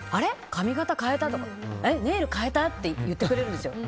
髪形変えた？とかネイル変えた？って言ってくれるんです。